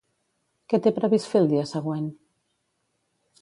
Què té previst fer el dia següent?